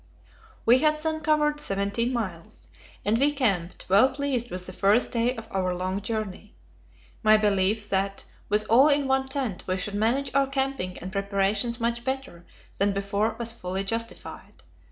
We had then covered seventeen miles, and we camped, well pleased with the first day of our long journey. My belief that, with all in one tent, we should manage our camping and preparations much better than before was fully justified.